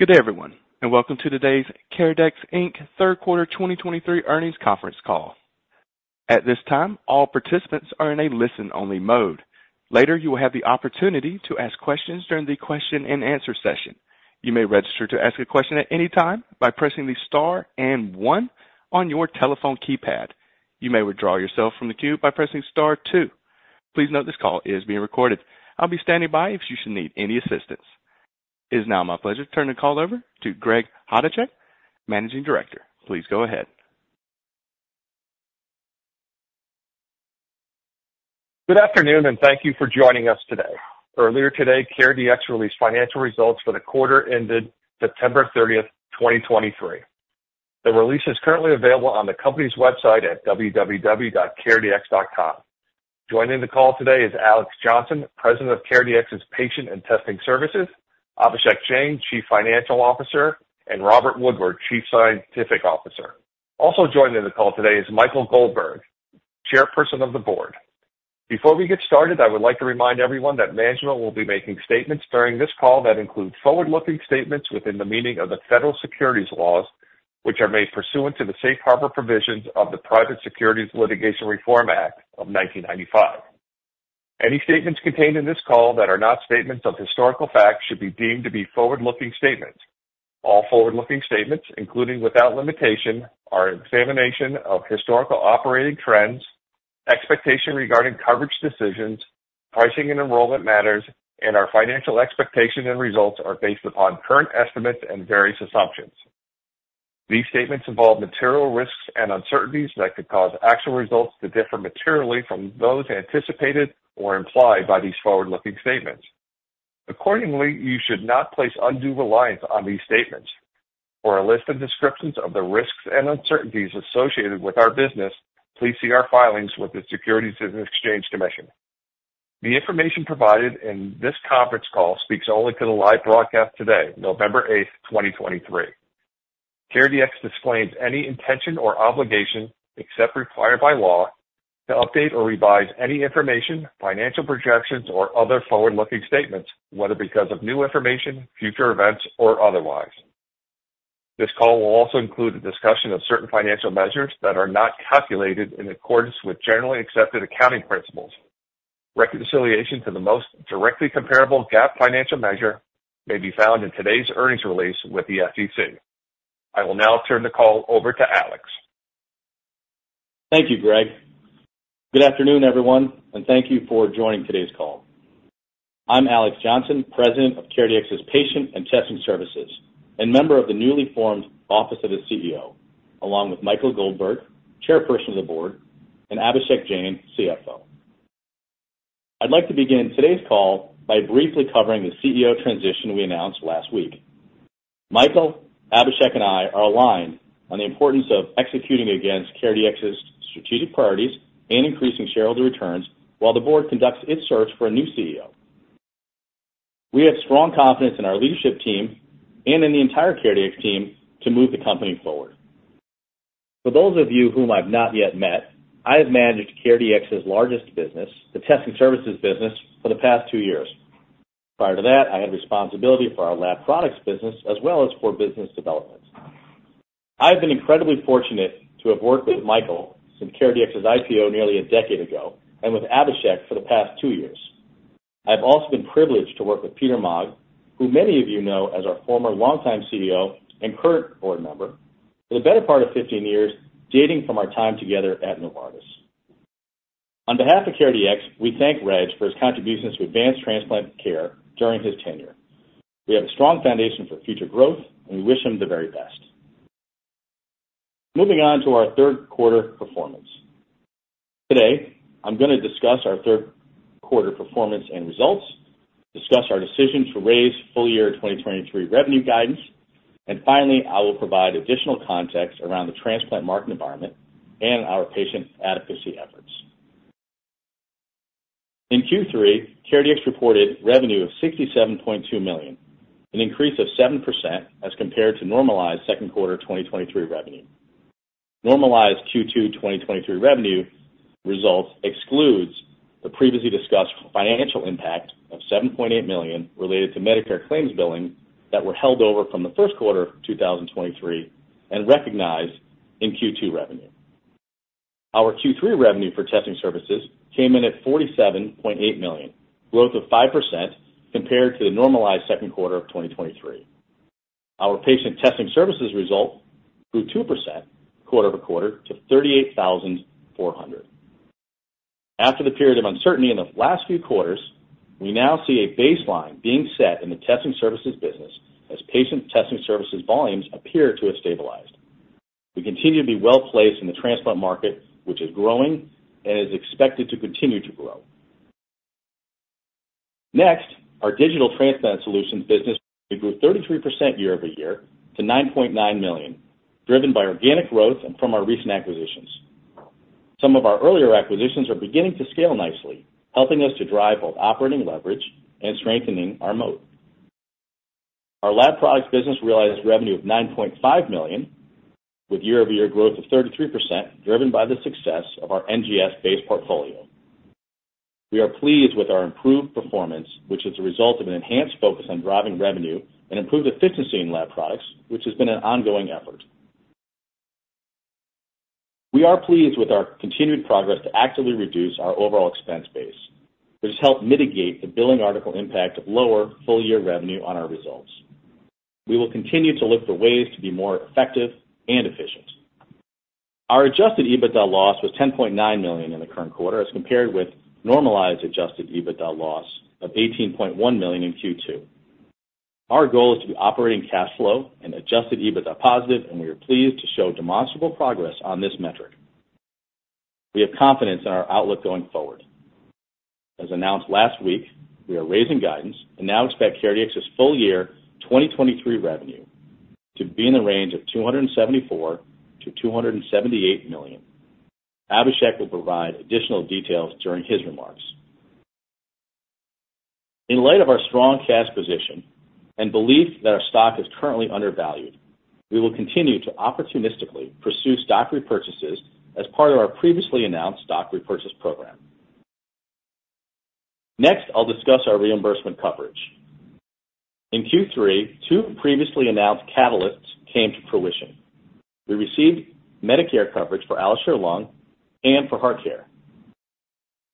Good day, everyone, and welcome to today's CareDx, Inc., Q3 2023 earnings conference call. At this time, all participants are in a listen-only mode. Later, you will have the opportunity to ask questions during the Q&A session. You may register to ask a question at any time by pressing the star and one on your telephone keypad. You may withdraw yourself from the queue by pressing star two. Please note this call is being recorded. I'll be standing by if you should need any assistance. It is now my pleasure to turn the call over to Greg Chodaczek, Managing Director. Please go ahead. Good afternoon, and thank you for joining us today. Earlier today, CareDx released financial results for the quarter ended September 30, 2023. The release is currently available on the company's website at www.caredx.com. Joining the call today is Alex Johnson, President of CareDx's Patient and Testing Services, Abhishek Jain, Chief Financial Officer, and Robert Woodward, Chief Scientific Officer. Also joining the call today is Michael Goldberg, Chairperson of the Board. Before we get started, I would like to remind everyone that management will be making statements during this call that include forward-looking statements within the meaning of the federal securities laws, which are made pursuant to the Safe Harbor provisions of the Private Securities Litigation Reform Act of 1995. Any statements contained in this call that are not statements of historical fact should be deemed to be forward-looking statements. All forward-looking statements, including without limitation, our examination of historical operating trends, expectation regarding coverage decisions, pricing and enrollment matters, and our financial expectations and results are based upon current estimates and various assumptions. These statements involve material risks and uncertainties that could cause actual results to differ materially from those anticipated or implied by these forward-looking statements. Accordingly, you should not place undue reliance on these statements. For a list of descriptions of the risks and uncertainties associated with our business, please see our filings with the Securities and Exchange Commission. The information provided in this conference call speaks only to the live broadcast today, November eighth, 2023. CareDx disclaims any intention or obligation, except required by law, to update or revise any information, financial projections, or other forward-looking statements, whether because of new information, future events, or otherwise. This call will also include a discussion of certain financial measures that are not calculated in accordance with generally accepted accounting principles. Reconciliation to the most directly comparable GAAP financial measure may be found in today's earnings release with the SEC. I will now turn the call over to Alex. Thank you, Greg. Good afternoon, everyone, and thank you for joining today's call. I'm Alex Johnson, President of CareDx's Patient and Testing Services, and member of the newly formed Office of the CEO, along with Michael Goldberg, Chairperson of the Board, and Abhishek Jain, CFO. I'd like to begin today's call by briefly covering the CEO transition we announced last week. Michael, Abhishek, and I are aligned on the importance of executing against CareDx's strategic priorities and increasing shareholder returns while the board conducts its search for a new CEO. We have strong confidence in our leadership team and in the entire CareDx team to move the company forward. For those of you whom I've not yet met, I have managed CareDx's largest business, the testing services business, for the past two years. Prior to that, I had responsibility for our lab products business as well as for business development. I've been incredibly fortunate to have worked with Michael since CareDx's IPO nearly a decade ago, and with Abhishek for the past two years. I've also been privileged to work with Peter Maag, who many of you know as our former longtime CEO and current board member, for the better part of 15 years, dating from our time together at Novartis. On behalf of CareDx, we thank Reg for his contributions to advanced transplant care during his tenure. We have a strong foundation for future growth, and we wish him the very best. Moving on to our Q3 performance. Today, I'm going to discuss our Q3 performance and results, discuss our decision to raise full year 2023 revenue guidance, and finally, I will provide additional context around the transplant market environment and our patient advocacy efforts. In Q3, CareDx reported revenue of $67.2 million, an increase of 7% as compared to normalized Q2 2023 revenue. Normalized Q2 2023 revenue results excludes the previously discussed financial impact of $7.8 million related to Medicare claims billing that were held over from the Q1 of 2023 and recognized in Q2 revenue. Our Q3 revenue for testing services came in at $47.8 million, growth of 5% compared to the normalized Q2 of 2023. Our patient testing services result grew 2% quarter-over-quarter to 38,400. After the period of uncertainty in the last few quarters, we now see a baseline being set in the testing services business as patient testing services volumes appear to have stabilized. We continue to be well-placed in the transplant market, which is growing and is expected to continue to grow. Next, our digital transplant solutions business grew 33% year-over-year to $9.9 million, driven by organic growth and from our recent acquisitions. Some of our earlier acquisitions are beginning to scale nicely, helping us to drive both operating leverage and strengthening our moat.... Our lab products business realized revenue of $9.5 million, with year-over-year growth of 33%, driven by the success of our NGS-based portfolio. We are pleased with our improved performance, which is a result of an enhanced focus on driving revenue and improved efficiency in lab products, which has been an ongoing effort. We are pleased with our continued progress to actively reduce our overall expense base, which has helped mitigate the billing article impact of lower full-year revenue on our results. We will continue to look for ways to be more effective and efficient. Our adjusted EBITDA loss was $10.9 million in the current quarter, as compared with normalized adjusted EBITDA loss of $18.1 million in Q2. Our goal is to be operating cash flow and adjusted EBITDA positive, and we are pleased to show demonstrable progress on this metric. We have confidence in our outlook going forward. As announced last week, we are raising guidance and now expect CareDx's full year 2023 revenue to be in the range of $274 million-$278 million. Abhishek will provide additional details during his remarks. In light of our strong cash position and belief that our stock is currently undervalued, we will continue to opportunistically pursue stock repurchases as part of our previously announced stock repurchase program. Next, I'll discuss our reimbursement coverage. In Q3, two previously announced catalysts came to fruition. We received Medicare coverage for AlloSure Lung and for HeartCare.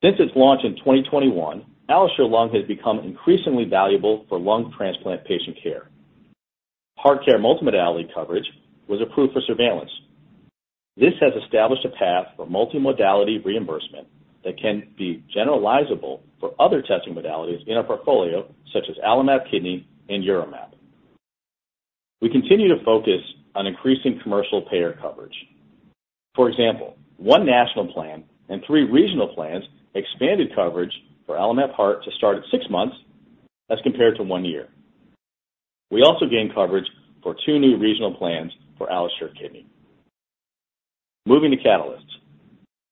Since its launch in 2021, AlloSure Lung has become increasingly valuable for lung transplant patient care. HeartCare multimodality coverage was approved for surveillance. This has established a path for multimodality reimbursement that can be generalizable for other testing modalities in our portfolio, such as AlloMap Kidney and UroMap. We continue to focus on increasing commercial payer coverage. For example, 1 national plan and 3 regional plans expanded coverage for AlloMap Heart to start at 6 months as compared to 1 year. We also gained coverage for 2 new regional plans for AlloSure Kidney. Moving to catalysts.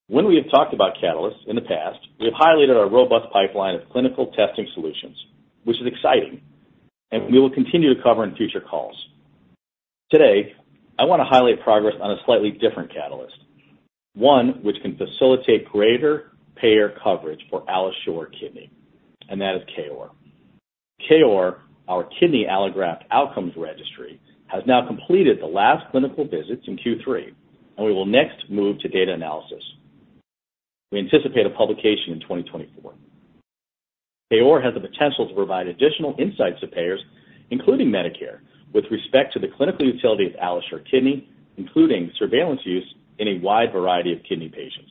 When we have talked about catalysts in the past, we have highlighted our robust pipeline of clinical testing solutions, which is exciting, and we will continue to cover in future calls. Today, I want to highlight progress on a slightly different catalyst, one which can facilitate greater payer coverage for AlloSure Kidney, and that is KOR. KOR, our Kidney Allograft Outcomes Registry, has now completed the last clinical visits in Q3, and we will next move to data analysis. We anticipate a publication in 2024. KOR has the potential to provide additional insights to payers, including Medicare, with respect to the clinical utility of AlloSure Kidney, including surveillance use in a wide variety of kidney patients.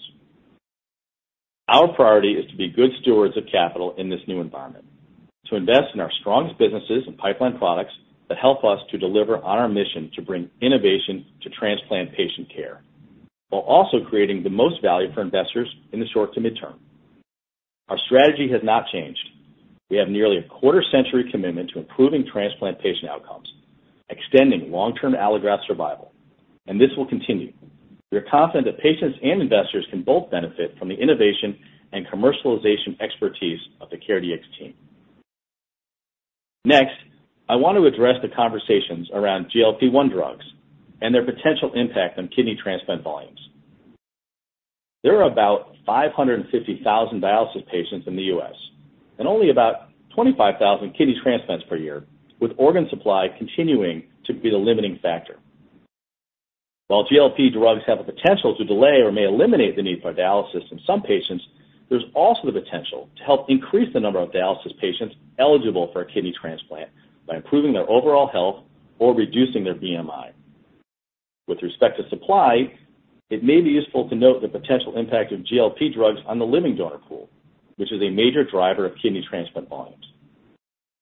Our priority is to be good stewards of capital in this new environment, to invest in our strongest businesses and pipeline products that help us to deliver on our mission to bring innovation to transplant patient care, while also creating the most value for investors in the short to midterm. Our strategy has not changed. We have nearly a quarter-century commitment to improving transplant patient outcomes, extending long-term allograft survival, and this will continue. We are confident that patients and investors can both benefit from the innovation and commercialization expertise of the CareDx team. Next, I want to address the conversations around GLP-1 drugs and their potential impact on kidney transplant volumes. There are about 550,000 dialysis patients in the U.S., and only about 25,000 kidney transplants per year, with organ supply continuing to be the limiting factor. While GLP drugs have the potential to delay or may eliminate the need for dialysis in some patients, there's also the potential to help increase the number of dialysis patients eligible for a kidney transplant by improving their overall health or reducing their BMI. With respect to supply, it may be useful to note the potential impact of GLP drugs on the living donor pool, which is a major driver of kidney transplant volumes.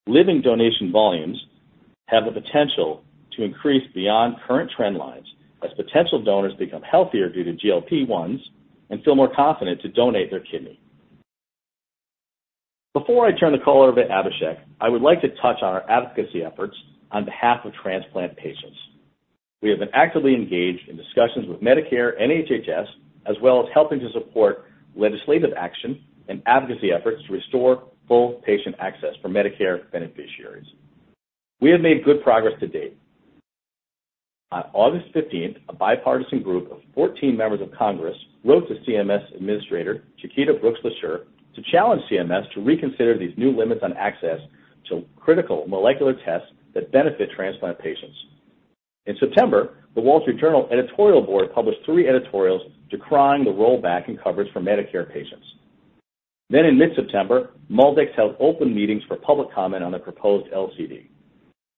Living donation volumes have the potential to increase beyond current trend lines as potential donors become healthier due to GLP-1s and feel more confident to donate their kidney. Before I turn the call over to Abhishek, I would like to touch on our advocacy efforts on behalf of transplant patients. We have been actively engaged in discussions with Medicare and HHS, as well as helping to support legislative action and advocacy efforts to restore full patient access for Medicare beneficiaries. We have made good progress to date. On August 15, a bipartisan group of 14 members of Congress wrote to CMS Administrator Chiquita Brooks-LaSure to challenge CMS to reconsider these new limits on access to critical molecular tests that benefit transplant patients. In September, The Wall Street Journal editorial board published 3 editorials decrying the rollback in coverage for Medicare patients. Then in mid-September, MolDX held open meetings for public comment on the proposed LCD.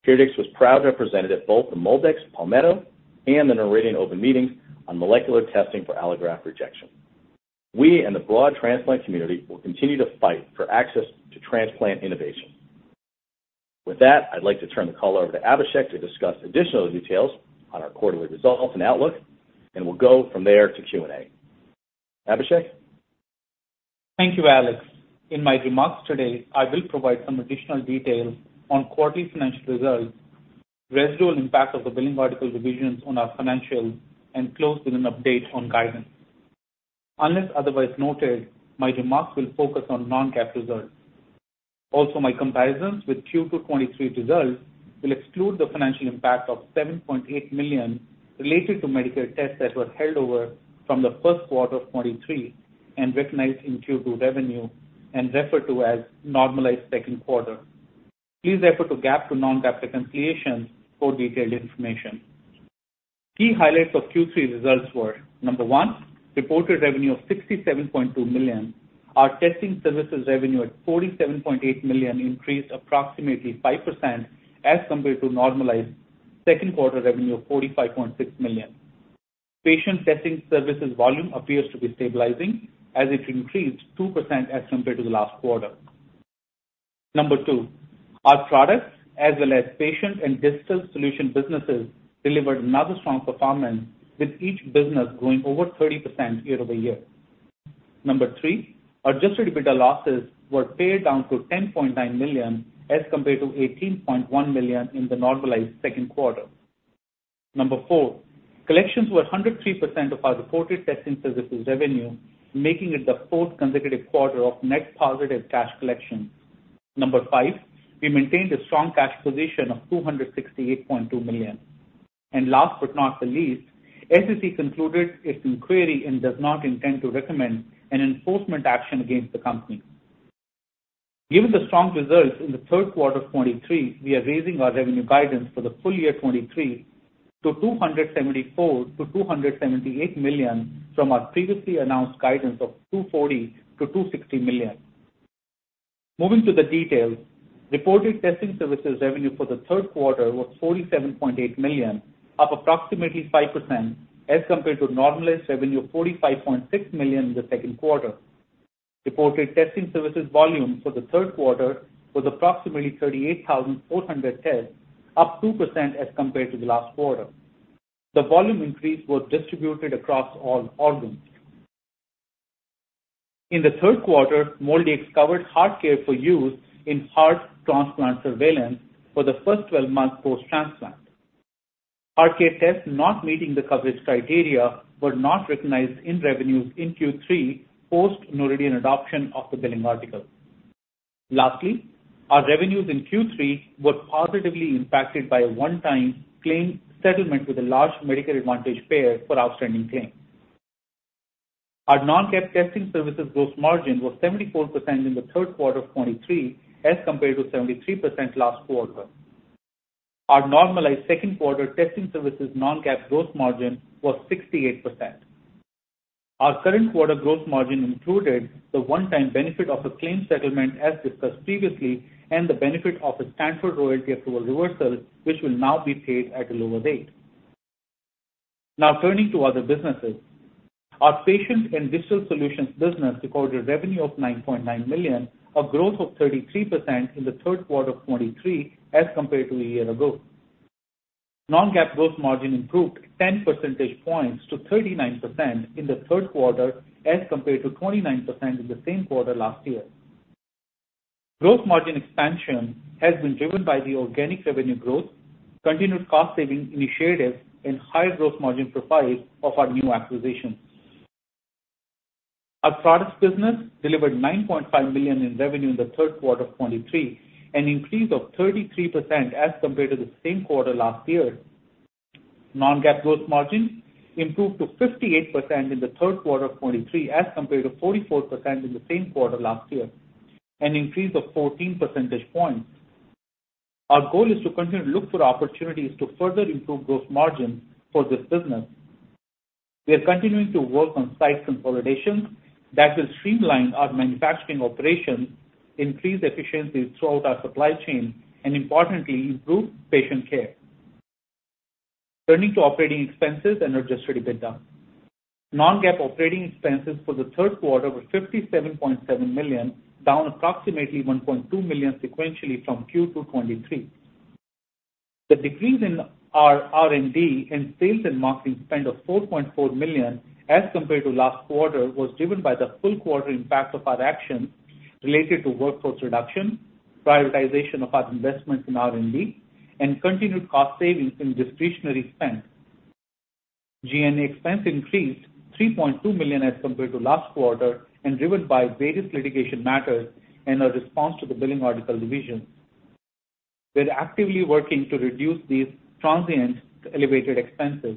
CareDx was proudly represented at both the MolDX Palmetto and the Noridian open meetings on molecular testing for allograft rejection. We and the broad transplant community will continue to fight for access to transplant innovation. With that, I'd like to turn the call over to Abhishek to discuss additional details on our quarterly results and outlook, and we'll go from there to Q&A. Abhishek? Thank you, Alex.In my remarks today, I will provide some additional details on quarterly financial results, residual impact of the Billing article revisions on our financials, and close with an update on guidance.... unless otherwise noted, my remarks will focus on non-GAAP results. Also, my comparisons with Q2 2023 results will exclude the financial impact of $7.8 million related to Medicare tests that were held over from the Q1 of 2023 and recognized in Q2 revenue and refer to as normalized Q2. Please refer to GAAP to non-GAAP reconciliation for detailed information. Key highlights of Q3 results were, number one, reported revenue of $67.2 million. Our testing services revenue at $47.8 million increased approximately 5% as compared to normalized Q2 revenue of $45.6 million. Patient testing services volume appears to be stabilizing as it increased 2% as compared to the last quarter. Number two, our products as well as patient and digital solution businesses, delivered another strong performance, with each business growing over 30% year over year. Number three, Adjusted EBITDA losses were pared down to $10.9 million, as compared to $18.1 million in the normalized Q2. Number four, collections were 103% of our reported testing services revenue, making it the fourth consecutive quarter of net positive cash collection. Number five, we maintained a strong cash position of $268.2 million. And last but not the least, SEC concluded its inquiry and does not intend to recommend an enforcement action against the company. Given the strong results in the Q3 of 2023, we are raising our revenue guidance for the full year 2023 to $274 million-$278 million, from our previously announced guidance of $240 million-$260 million. Moving to the details. Reported testing services revenue for the Q3 was $47.8 million, up approximately 5% as compared to normalized revenue of $45.6 million in the Q2. Reported testing services volume for the Q3 was approximately 38,400 tests, up 2% as compared to the last quarter. The volume increase was distributed across all organs. In the Q3, MolDX covered HeartCare for use in heart transplant surveillance for the first 12 months post-transplant. HeartCare tests not meeting the coverage criteria were not recognized in revenues in Q3, post Noridian adoption of the billing article. Lastly, our revenues in Q3 were positively impacted by a one-time claim settlement with a large Medicare Advantage payer for outstanding claims. Our non-GAAP testing services gross margin was 74% in the Q3 of 2023, as compared to 73% last quarter. Our normalized Q2 testing services non-GAAP gross margin was 68%. Our current quarter gross margin included the one-time benefit of a claim settlement, as discussed previously, and the benefit of a Stanford royalty approval reversal, which will now be paid at a lower rate. Now, turning to other businesses. Our patient and digital solutions business recorded revenue of $9.9 million, a growth of 33% in the Q3 of 2023 as compared to a year ago. Non-GAAP gross margin improved 10 percentage points to 39% in the Q3, as compared to 29% in the same quarter last year. Gross margin expansion has been driven by the organic revenue growth, continued cost-saving initiatives, and higher gross margin profile of our new acquisitions. Our products business delivered $9.5 million in revenue in the Q3 of 2023, an increase of 33% as compared to the same quarter last year. Non-GAAP gross margin improved to 58% in the Q3 of 2023, as compared to 44% in the same quarter last year, an increase of 14 percentage points. Our goal is to continue to look for opportunities to further improve gross margin for this business. We are continuing to work on site consolidation that will streamline our manufacturing operations, increase efficiency throughout our supply chain, and importantly, improve patient care. Turning to operating expenses and adjusted EBITDA. Non-GAAP operating expenses for the Q3 were $57.7 million, down approximately $1.2 million sequentially from Q2 2023. The decrease in our R&D and sales and marketing spend of $4.4 million as compared to last quarter, was driven by the full quarter impact of our actions related to workforce reduction, prioritization of our investments in R&D, and continued cost savings in discretionary spend. G&A expense increased $3.2 million as compared to last quarter, and driven by various litigation matters and our response to the billing article division. We're actively working to reduce these transient elevated expenses.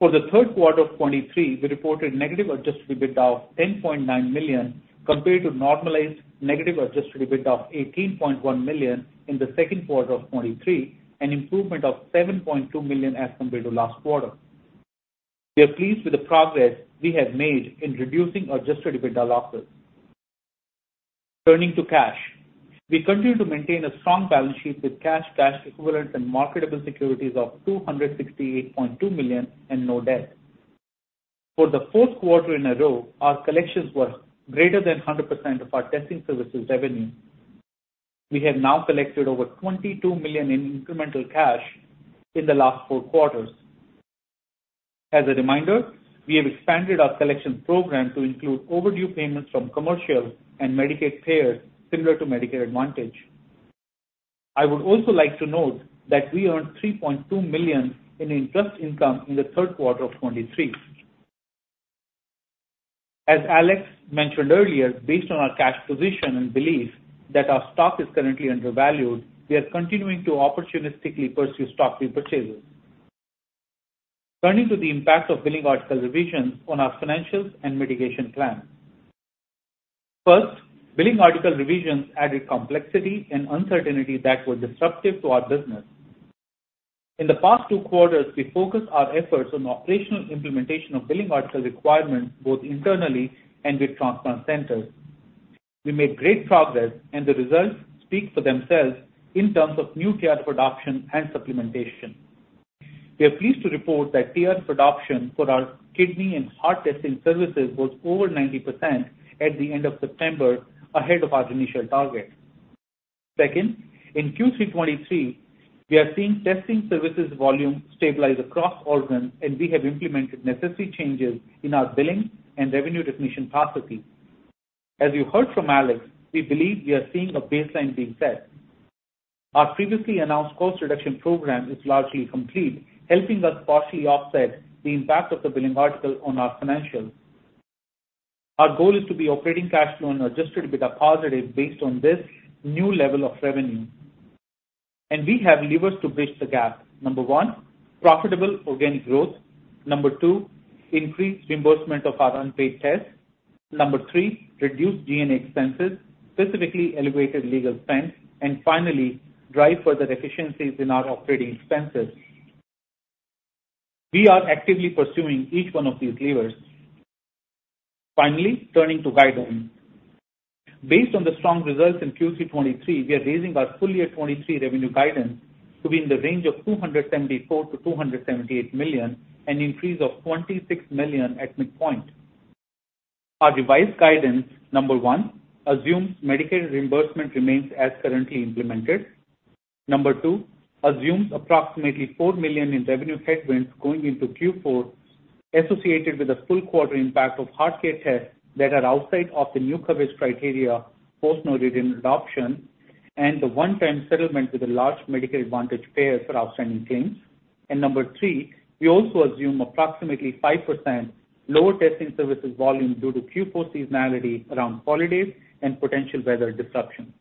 For the Q3 of 2023, we reported negative adjusted EBITDA of $10.9 million, compared to normalized negative adjusted EBITDA of $18.1 million in the Q2 of 2023, an improvement of $7.2 million as compared to last quarter. We are pleased with the progress we have made in reducing adjusted EBITDA losses. Turning to cash. We continue to maintain a strong balance sheet with cash, cash equivalents, and marketable securities of $268.2 million and no debt. For the Q4 in a row, our collections were greater than 100% of our testing services revenue. We have now collected over $22 million in incremental cash in the last four quarters. As a reminder, we have expanded our collection program to include overdue payments from commercial and Medicaid payers, similar to Medicare Advantage.... I would also like to note that we earned $3.2 million in interest income in the Q3 of 2023. As Alex mentioned earlier, based on our cash position and belief that our stock is currently undervalued, we are continuing to opportunistically pursue stock repurchases. Turning to the impact of billing article revisions on our financials and mitigation plan. First, billing article revisions added complexity and uncertainty that were disruptive to our business. In the past two quarters, we focused our efforts on operational implementation of billing article requirements, both internally and with transplant centers. We made great progress, and the results speak for themselves in terms of new care production and supplementation. We are pleased to report that TR production for our kidney and heart testing services was over 90% at the end of September, ahead of our initial target. Second, in Q3 2023, we are seeing testing services volume stabilize across organs, and we have implemented necessary changes in our billing and revenue definition processes. As you heard from Alex, we believe we are seeing a baseline being set. Our previously announced cost reduction program is largely complete, helping us partially offset the impact of the billing article on our financials. Our goal is to be operating cash flow and Adjusted EBITDA positive based on this new level of revenue, and we have levers to bridge the gap. Number one, profitable organic growth. Number two, increased reimbursement of our unpaid tests. Number three, reduced G&A expenses, specifically elevated legal spend, and finally, drive further efficiencies in our operating expenses. We are actively pursuing each one of these levers. Finally, turning to guidance. Based on the strong results in Q3 2023, we are raising our full year 2023 revenue guidance to be in the range of $274 million-$278 million, an increase of $26 million at midpoint. Our revised guidance, number one, assumes Medicaid reimbursement remains as currently implemented. Number two, assumes approximately $4 million in revenue headwinds going into Q4, associated with the full quarter impact of HeartCare tests that are outside of the new coverage criteria, post-notice adoption, and the one-time settlement with a large Medicare Advantage payer for outstanding claims. Number three, we also assume approximately 5% lower testing services volume due to Q4 seasonality around holidays and potential weather disruptions.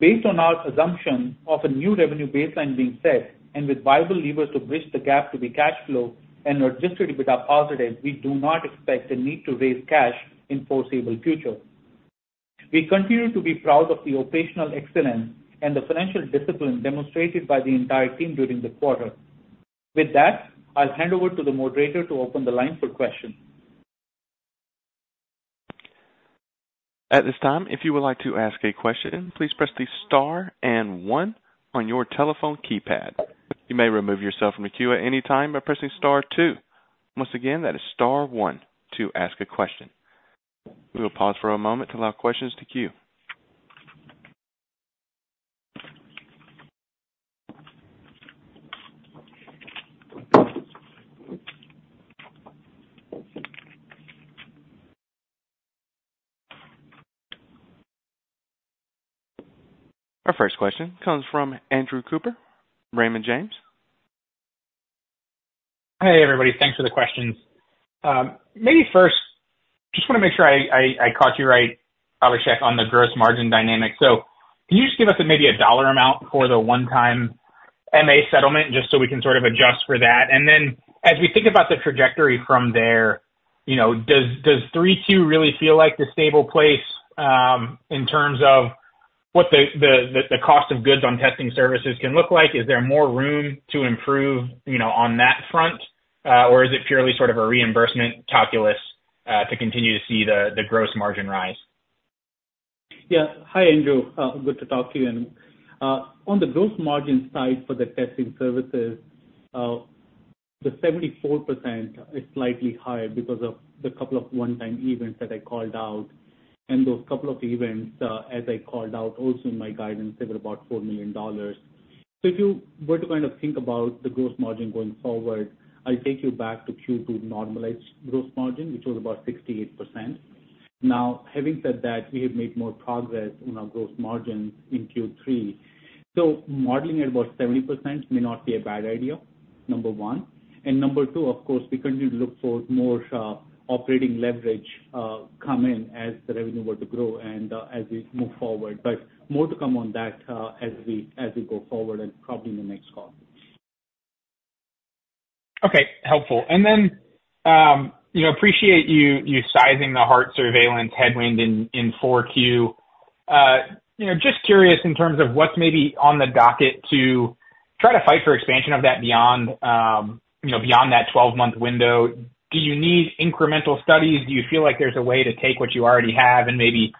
Based on our assumption of a new revenue baseline being set and with viable levers to bridge the gap to the cash flow and adjusted EBITDA positive, we do not expect the need to raise cash in the foreseeable future. We continue to be proud of the operational excellence and the financial discipline demonstrated by the entire team during the quarter. With that, I'll hand over to the moderator to open the line for questions. At this time, if you would like to ask a question, please press the star and one on your telephone keypad. You may remove yourself from the queue at any time by pressing star two. Once again, that is star one to ask a question. We will pause for a moment to allow questions to queue. Our first question comes from Andrew Cooper, Raymond James. Hey, everybody. Thanks for the questions. Maybe first, just want to make sure I caught you right, Abhishek, on the gross margin dynamic. So can you just give us maybe a dollar amount for the one-time MA settlement, just so we can sort of adjust for that? And then as we think about the trajectory from there, you know, does 3Q really feel like the stable place, in terms of what the cost of goods on testing services can look like? Is there more room to improve, you know, on that front, or is it purely sort of a reimbursement calculus to continue to see the gross margin rise? Yeah. Hi, Andrew, good to talk to you. And, on the gross margin side for the testing services, the 74% is slightly higher because of the couple of one-time events that I called out. And those couple of events, as I called out also in my guidance, they were about $4 million. So if you were to kind of think about the gross margin going forward, I'll take you back to Q2 normalized gross margin, which was about 68%. Now, having said that, we have made more progress on our gross margin in Q3. So modeling at about 70% may not be a bad idea, number one. And number two, of course, we continue to look for more, operating leverage, come in as the revenue were to grow and, as we move forward. But more to come on that, as we go forward and probably in the next call. Okay, helpful. And then, you know, appreciate you, you sizing the heart surveillance headwind in Q4. You know, just curious in terms of what's maybe on the docket to try to fight for expansion of that beyond, you know, beyond that 12-month window. Do you need incremental studies? Do you feel like there's a way to take what you already have and maybe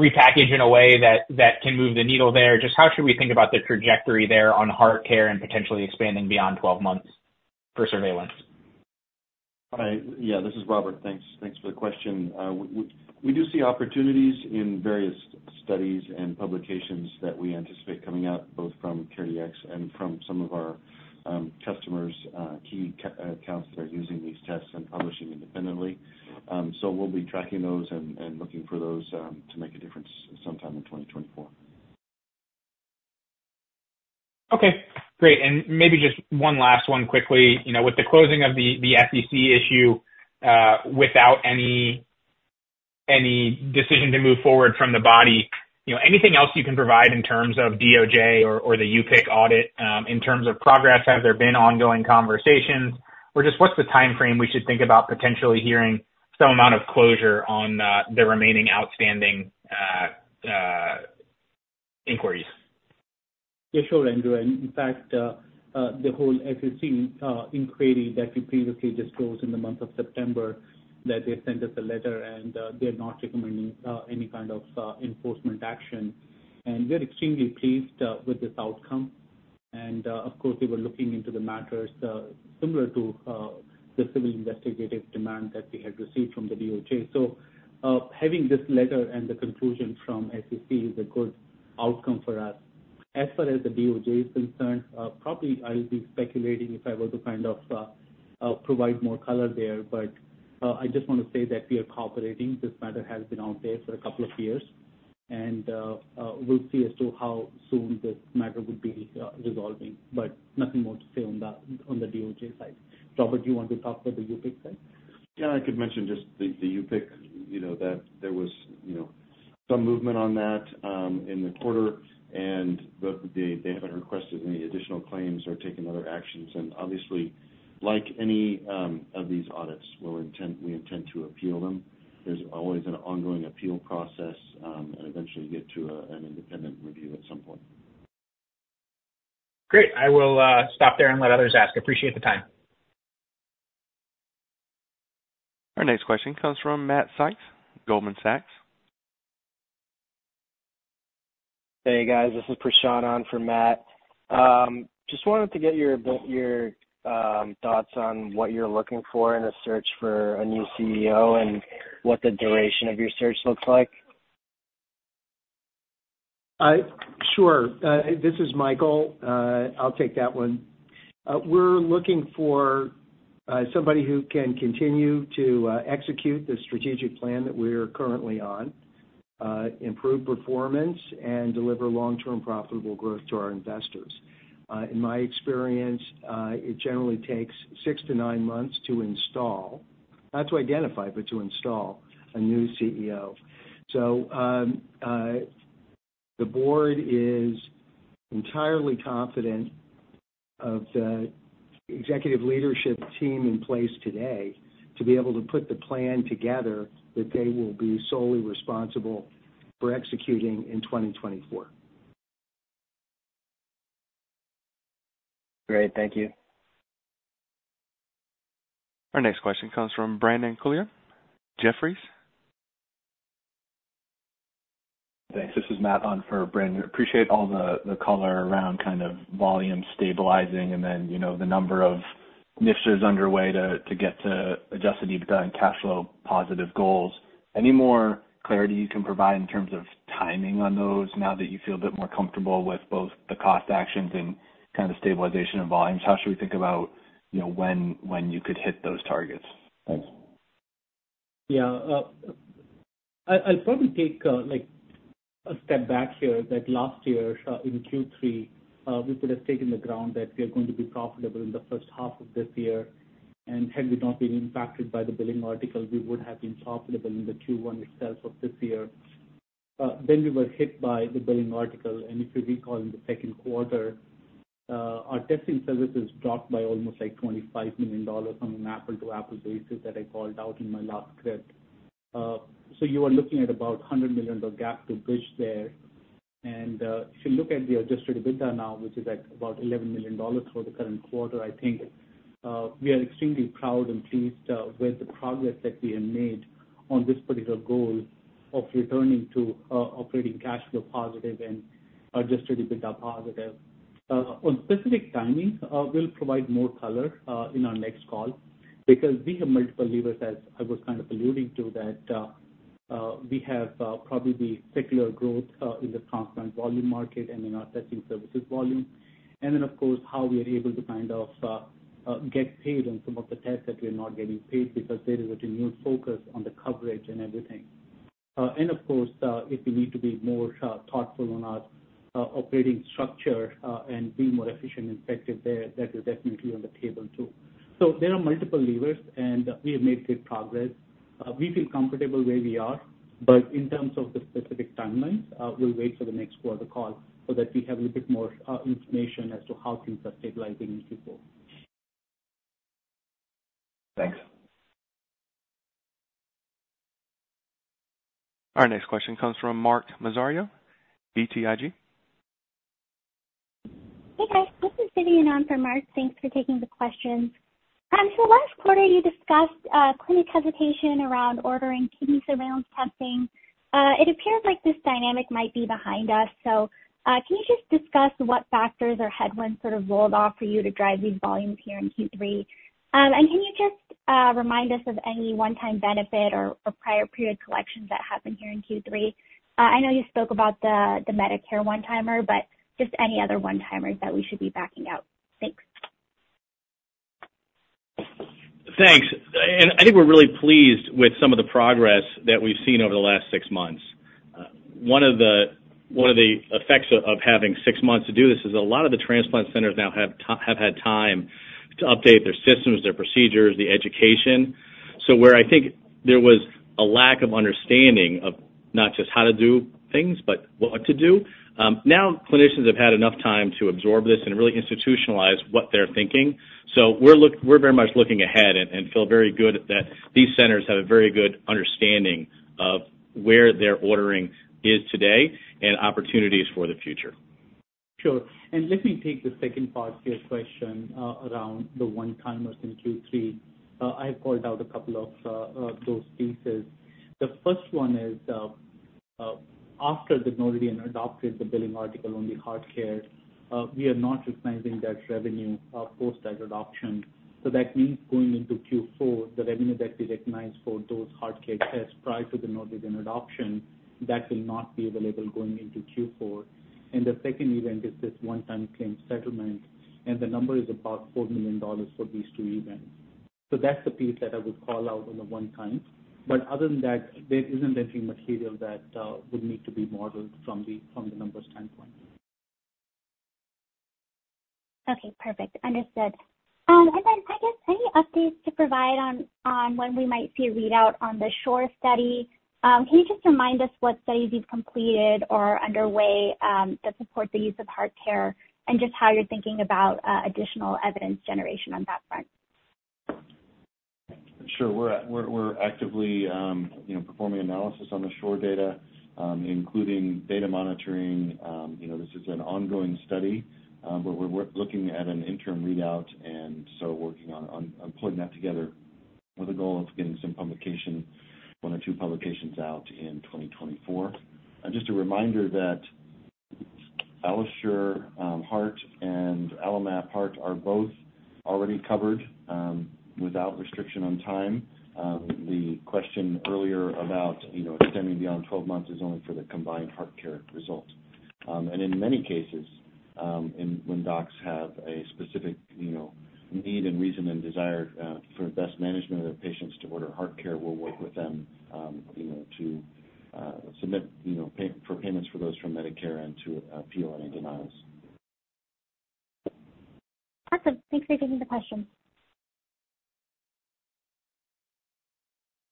repackage in a way that, that can move the needle there? Just how should we think about the trajectory there on HeartCare and potentially expanding beyond 12 months for surveillance? Hi. Yeah, this is Robert. Thanks. Thanks for the question. We do see opportunities in various studies and publications that we anticipate coming out.... CareDx and from some of our, customers, key accounts that are using these tests and publishing independently. So we'll be tracking those and, and looking for those, to make a difference sometime in 2024. Okay, great. And maybe just one last one quickly. You know, with the closing of the SEC issue without any decision to move forward from the body, you know, anything else you can provide in terms of DOJ or the UPIC audit in terms of progress? Have there been ongoing conversations, or just what's the timeframe we should think about potentially hearing some amount of closure on the remaining outstanding inquiries? Yeah, sure, Andrew. And in fact, the whole SEC inquiry that we previously just closed in the month of September, that they sent us a letter and, they're not recommending any kind of enforcement action. And we're extremely pleased with this outcome. And, of course, they were looking into the matters similar to the civil investigative demand that we had received from the DOJ. So, having this letter and the conclusion from SEC is a good outcome for us. As far as the DOJ is concerned, probably I'll be speculating if I were to kind of provide more color there. But, I just want to say that we are cooperating. This matter has been out there for a couple of years, and we'll see as to how soon this matter would be resolving, but nothing more to say on the DOJ side. Robert, do you want to talk about the UPIC side? Yeah, I could mention just the, the UPIC, you know, that there was, you know, some movement on that, in the quarter, and the, they haven't requested any additional claims or taken other actions. And obviously, like any, of these audits, we intend to appeal them. There's always an ongoing appeal process, and eventually get to, an independent review at some point. Great. I will stop there and let others ask. Appreciate the time. Our next question comes from Matt Sykes, Goldman Sachs. Hey, guys, this is Prashant on for Matt. Just wanted to get your thoughts on what you're looking for in a search for a new CEO and what the duration of your search looks like. Sure. This is Michael. I'll take that one. We're looking for somebody who can continue to execute the strategic plan that we are currently on, improve performance and deliver long-term profitable growth to our investors. In my experience, it generally takes six to nine months to install, not to identify, but to install a new CEO. So, the board is entirely confident of the executive leadership team in place today to be able to put the plan together, that they will be solely responsible for executing in 2024. Great. Thank you. Our next question comes from Brandon Couillard, Jefferies. Thanks. This is Matt on for Brandon. Appreciate all the color around kind of volume stabilizing and then, you know, the number of initiatives underway to get to Adjusted EBITDA and cash flow positive goals. Any more clarity you can provide in terms of timing on those now that you feel a bit more comfortable with both the cost actions and kind of stabilization of volumes? How should we think about, you know, when you could hit those targets? Thanks. Yeah. I'll probably take like a step back here, that last year in Q3 we could have taken the ground that we are going to be profitable in the H1 of this year, and had we not been impacted by the billing article, we would have been profitable in the Q1 itself of this year. Then we were hit by the billing article, and if you recall, in the Q2 our testing services dropped by almost like $25 million on an apple-to-apple basis that I called out in my last script. So you are looking at about $100 million dollar gap to bridge there. And, if you look at the Adjusted EBITDA now, which is at about $11 million for the current quarter, I think, we are extremely proud and pleased, with the progress that we have made on this particular goal of returning to, operating cash flow positive and Adjusted EBITDA positive. On specific timing, we'll provide more color, in our next call, because we have multiple levers, as I was kind of alluding to, that, we have, probably the secular growth, in the constant volume market and in our testing services volume. And then, of course, how we are able to kind of, get paid on some of the tests that we're not getting paid, because there is a renewed focus on the coverage and everything. And of course, if we need to be more thoughtful on our operating structure, and being more efficient and effective there, that is definitely on the table, too. So there are multiple levers, and we have made good progress. We feel comfortable where we are, but in terms of the specific timelines, we'll wait for the next quarter call so that we have a little bit more information as to how things are stabilizing and so forth. Thanks. Our next question comes from Mark Massaro, BTIG. Hey, guys, this is Vivian on for Mark. Thanks for taking the questions. So last quarter, you discussed clinic hesitation around ordering kidney surveillance testing. It appears like this dynamic might be behind us. So, can you just discuss what factors or headwinds sort of rolled off for you to drive these volumes here in Q3? And can you just remind us of any one-time benefit or prior period collections that happened here in Q3? I know you spoke about the Medicare one-timer, but just any other one-timers that we should be backing out. Thanks.... Thanks. I think we're really pleased with some of the progress that we've seen over the last six months. One of the effects of having six months to do this is a lot of the transplant centers now have had time to update their systems, their procedures, the education. So where I think there was a lack of understanding of not just how to do things, but what to do, now clinicians have had enough time to absorb this and really institutionalize what they're thinking. So we're very much looking ahead and feel very good that these centers have a very good understanding of where their ordering is today and opportunities for the future. Sure. And let me take the second part of your question, around the one-timers in Q3. I called out a couple of those pieces. The first one is, after the Noridian adopted the billing article on the HeartCare, we are not recognizing that revenue, post that adoption. So that means going into Q4, the revenue that we recognized for those HeartCare tests prior to the Noridian adoption, that will not be available going into Q4. And the second event is this one-time claim settlement, and the number is about $4 million for these two events. So that's the piece that I would call out on the one time. But other than that, there isn't anything material that would need to be modeled from the numbers standpoint. Okay, perfect. Understood. And then I guess any updates to provide on when we might see a readout on the SHORE study? Can you just remind us what studies you've completed or are underway, that support the use of HeartCare, and just how you're thinking about additional evidence generation on that front? Sure. We're actively, you know, performing analysis on the SHORE data, including data monitoring. You know, this is an ongoing study, but we're looking at an interim readout, and so working on putting that together with a goal of getting some publication, one or two publications out in 2024. And just a reminder that AlloSure Heart and AlloMap Heart are both already covered, without restriction on time. The question earlier about, you know, extending beyond 12 months is only for the combined HeartCare result. And in many cases, when docs have a specific, you know, need and reason and desire for best management of their patients to order HeartCare, we'll work with them, you know, to submit, you know, for payments for those from Medicare and to appeal any denials. Awesome. Thanks for taking the question.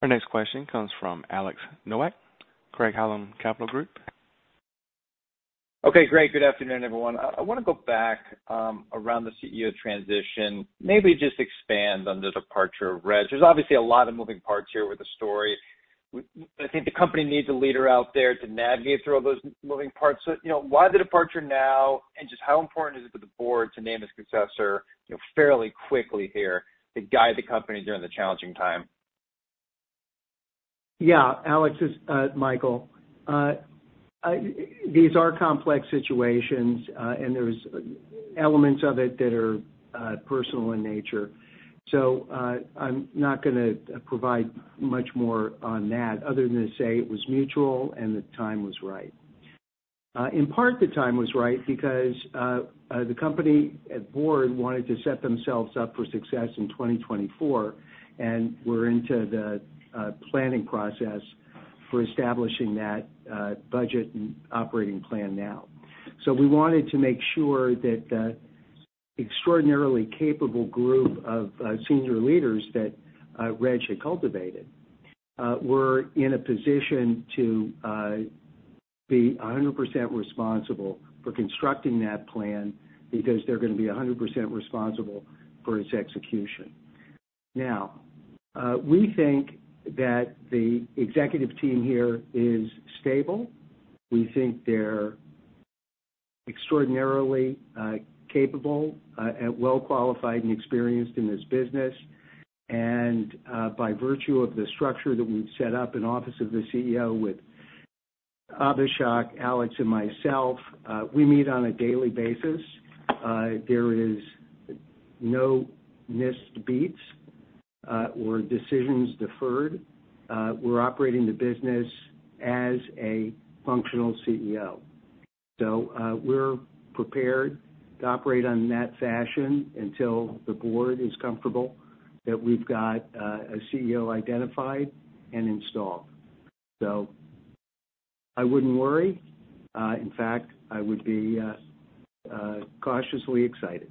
Our next question comes from Alex Nowak, Craig-Hallum Capital Group. Okay, great. Good afternoon, everyone. I want to go back around the CEO transition. Maybe just expand on the departure of Reg. There's obviously a lot of moving parts here with the story. I think the company needs a leader out there to navigate through all those moving parts. So, you know, why the departure now? And just how important is it for the board to name his successor, you know, fairly quickly here to guide the company during the challenging time? Yeah. Alex, it's Michael. These are complex situations, and there's elements of it that are personal in nature. So, I'm not gonna provide much more on that other than to say it was mutual and the time was right. In part, the time was right because the company and board wanted to set themselves up for success in 2024, and we're into the planning process for establishing that budget and operating plan now. So we wanted to make sure that the extraordinarily capable group of senior leaders that Reg had cultivated were in a position to be 100% responsible for constructing that plan, because they're going to be 100% responsible for its execution. Now, we think that the executive team here is stable. We think they're extraordinarily capable and well qualified and experienced in this business. By virtue of the structure that we've set up in Office of the CEO with Abhishek, Alex, and myself, we meet on a daily basis. There is no missed beats or decisions deferred. We're operating the business as a functional CEO. So we're prepared to operate in that fashion until the board is comfortable that we've got a CEO identified and installed. So I wouldn't worry. In fact, I would be cautiously excited.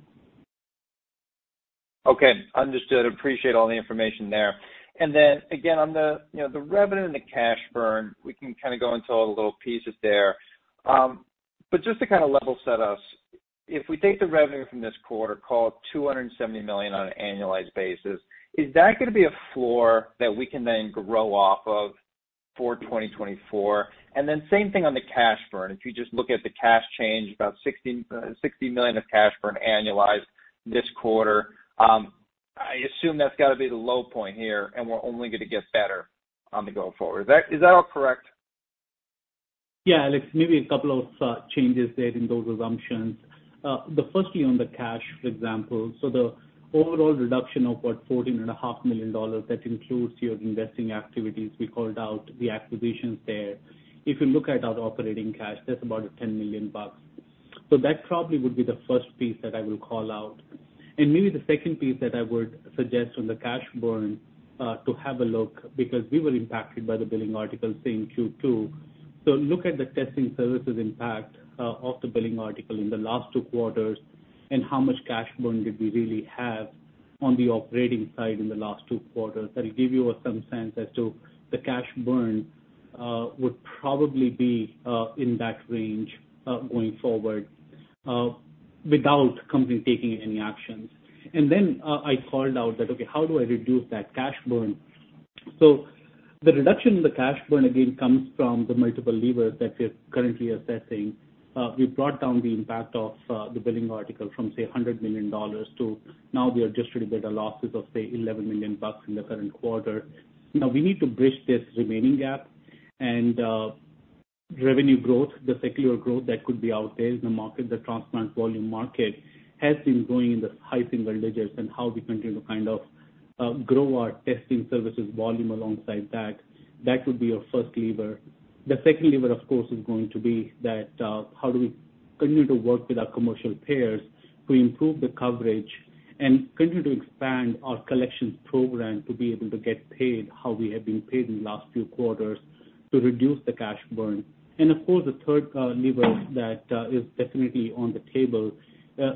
Okay, understood. Appreciate all the information there. And then again, on the, you know, the revenue and the cash burn, we can kind of go into all the little pieces there. But just to kind of level set us, if we take the revenue from this quarter, call it $270 million on an annualized basis, is that going to be a floor that we can then grow off of for 2024? And then same thing on the cash burn. If you just look at the cash change, about $60 million of cash burn annualized this quarter, I assume that's got to be the low point here, and we're only going to get better on the going forward. Is that all correct? Yeah, Alex, maybe a couple of changes there in those assumptions. Firstly, on the cash, for example, so the overall reduction of, what, $14.5 million, that includes your investing activities. We called out the acquisitions there. If you look at our operating cash, that's about $10 million.... So that probably would be the first piece that I will call out. And maybe the second piece that I would suggest on the cash burn, to have a look, because we were impacted by the Billing article, say, in Q2. So look at the testing services impact, of the Billing article in the last two quarters and how much cash burn did we really have on the operating side in the last two quarters? That'll give you some sense as to the cash burn that would probably be in that range going forward without company taking any actions. And then, I called out that, okay, how do I reduce that cash burn? So the reduction in the cash burn, again, comes from the multiple levers that we're currently assessing. We brought down the impact of the billing article from, say, $100 million to now we are just writing back the losses of, say, $11 million in the current quarter. Now we need to bridge this remaining gap and revenue growth, the secular growth that could be out there in the market, the transplant volume market, has been growing in the high single digits, and how we continue to kind of grow our testing services volume alongside that, that would be our first lever. The second lever, of course, is going to be that, how do we continue to work with our commercial payers to improve the coverage and continue to expand our collections program to be able to get paid how we have been paid in the last few quarters to reduce the cash burn. And of course, the third lever that is definitely on the table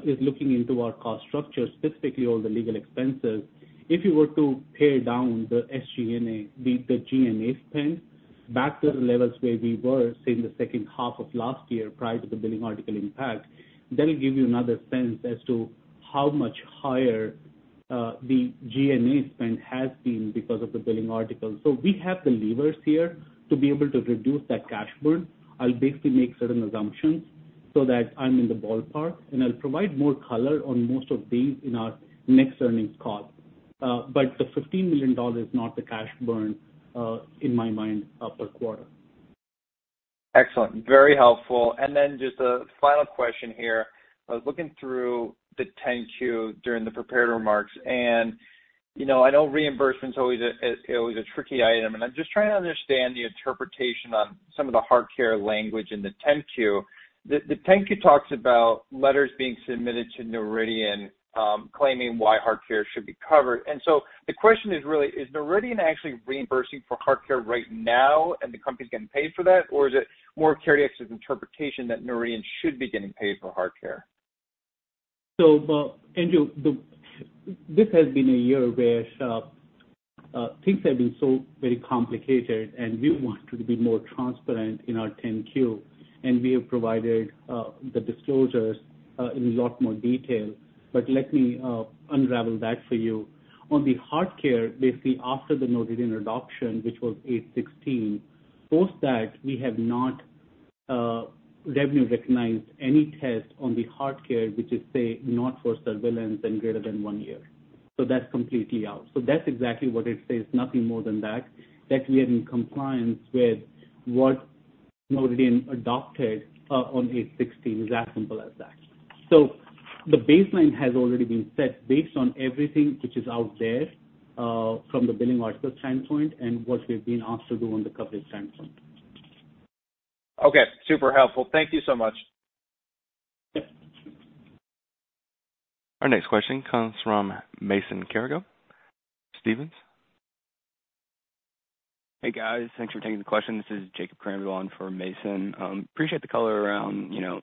is looking into our cost structure, specifically all the legal expenses. If you were to pare down the SG&A, the G&A spend back to the levels where we were, say, in the H2 of last year, prior to the billing article impact, that'll give you another sense as to how much higher the G&A spend has been because of the billing article. So we have the levers here to be able to reduce that cash burn. I'll basically make certain assumptions so that I'm in the ballpark, and I'll provide more color on most of these in our next earnings call. But the $15 million is not the cash burn, in my mind, per quarter. Excellent. Very helpful. And then just a final question here. I was looking through the Q10 during the prepared remarks, and, you know, I know reimbursement's always a tricky item, and I'm just trying to understand the interpretation on some of the HeartCare language in the Q10. The Q10 talks about letters being submitted to Noridian, claiming why HeartCare should be covered. And so the question is really: Is Noridian actually reimbursing for HeartCare right now and the company's getting paid for that? Or is it more CareDx's interpretation that Noridian should be getting paid for HeartCare? So, Andrew, this has been a year where things have been so very complicated, and we want to be more transparent in our Q10, and we have provided the disclosures in a lot more detail. But let me unravel that for you. On the HeartCare, basically, after the Noridian adoption, which was 8/16, post that, we have not revenue recognized any test on the HeartCare, which is, say, not for surveillance and greater than one year. So that's completely out. So that's exactly what it says, nothing more than that, that we are in compliance with what Noridian adopted on 8/16. It's as simple as that. So the baseline has already been set based on everything which is out there, from the billing article standpoint and what we've been asked to do on the coverage standpoint. Okay, super helpful. Thank you so much. Yep. Our next question comes from Mason Carrico, Stephens. Hey, guys, thanks for taking the question. This is Jacob Granberry on for Mason. Appreciate the color around, you know,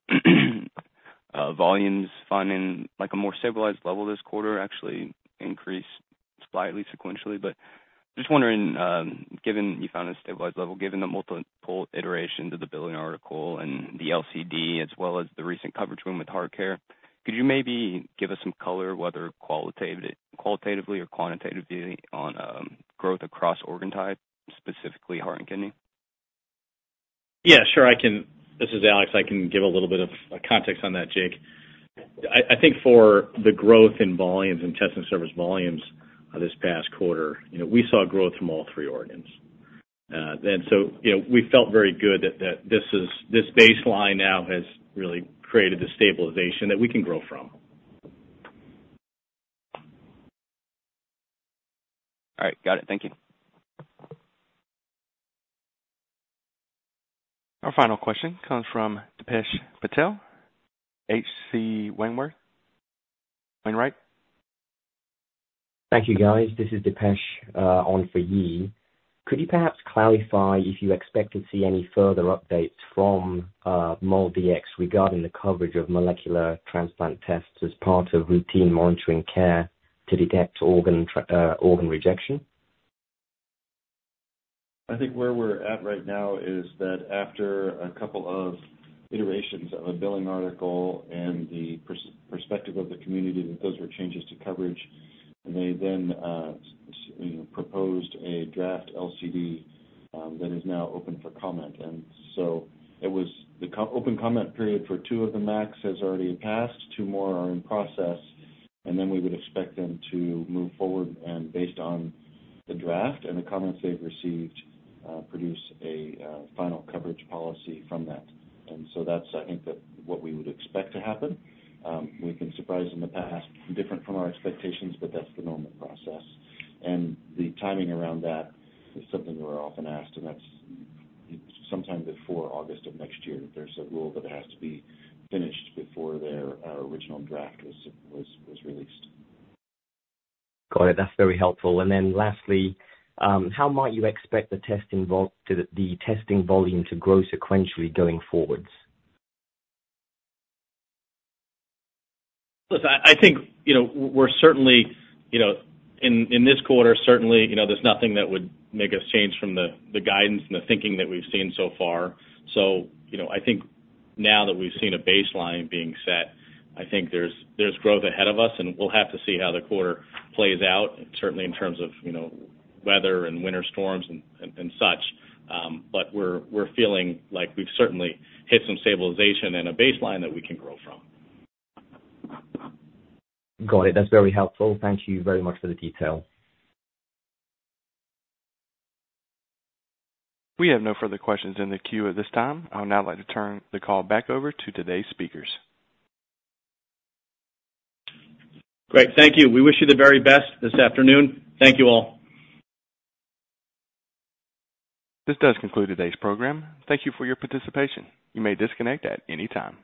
volumes finding, like, a more stabilized level this quarter, actually increased slightly sequentially. But just wondering, given you found a stabilized level, given the multiple iterations of the billing article and the LCD, as well as the recent coverage win with HeartCare, could you maybe give us some color, whether qualitatively, qualitatively or quantitatively on, growth across organ type, specifically heart and kidney? Yeah, sure. This is Alex. I can give a little bit of context on that, Jake. I think for the growth in volumes and testing service volumes, this past quarter, you know, we saw growth from all three organs. And so, you know, we felt very good that this is. This baseline now has really created a stabilization that we can grow from. All right. Got it. Thank you. Our final question comes from Dipesh Patel, H.C. Wainwright. Thank you, guys. This is Dipesh on for Yi. Could you perhaps clarify if you expect to see any further updates from MolDX regarding the coverage of molecular transplant tests as part of routine monitoring care to detect organ rejection? I think where we're at right now is that after a couple of iterations of a billing article and the perspective of the community, that those were changes to coverage, they then, you know, proposed a draft LCD, that is now open for comment. And so the open comment period for two of the MACs has already passed. Two more are in process, and then we would expect them to move forward, and based on the draft and the comments they've received, produce a final coverage policy from that. And so that's, I think, what we would expect to happen. We've been surprised in the past, different from our expectations, but that's the normal process. And the timing around that is something we're often asked, and that's sometime before August of next year. There's a rule that has to be finished before their original draft was released. Got it. That's very helpful. And then lastly, how might you expect the testing volume to grow sequentially going forwards? Listen, I think, you know, we're certainly, you know, in this quarter, certainly, you know, there's nothing that would make us change from the guidance and the thinking that we've seen so far. So, you know, I think now that we've seen a baseline being set, I think there's growth ahead of us, and we'll have to see how the quarter plays out, certainly in terms of, you know, weather and winter storms and such. But we're feeling like we've certainly hit some stabilization and a baseline that we can grow from. Got it. That's very helpful. Thank you very much for the detail. We have no further questions in the queue at this time. I would now like to turn the call back over to today's speakers. Great. Thank you. We wish you the very best this afternoon. Thank you, all. This does conclude today's program. Thank you for your participation. You may disconnect at any time.